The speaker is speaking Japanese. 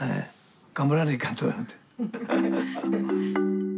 頑張らないかんと思って。